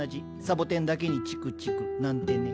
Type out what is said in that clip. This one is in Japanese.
サボテンだけにチクチク。なんてね。